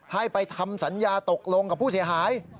ให้ไปทำสัญญาตกลงกับผู้เสียหาย